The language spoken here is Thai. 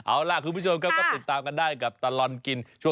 โอ้โหแบนเลยอ่ะ